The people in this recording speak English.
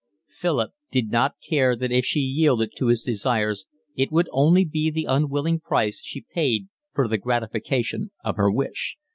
Philip did not care that if she yielded to his desires it would only be the unwilling price she paid for the gratification of her wish.